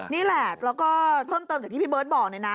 นี่แหละแล้วก็เพิ่มเติมจากที่พี่เบิร์ตบอกเลยนะ